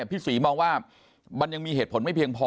พี่ศรีมองว่ามันยังมีเหตุผลไม่เพียงพอ